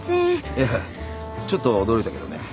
いやちょっと驚いたけどね